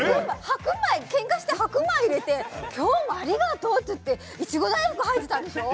けんかして白米を入れて今日もありがとうと言っていちご大福が入っていたんでしょう？